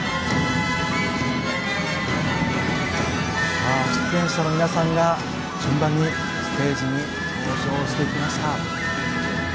さあ出演者の皆さんが順番にステージに登場してきました。